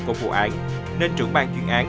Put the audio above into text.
của vụ án nên trưởng bang chuyên án